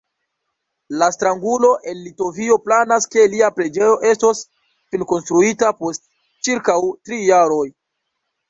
La strangulo el Litovio planas, ke lia preĝejo estos finkonstruita post ĉirkaŭ tri jaroj.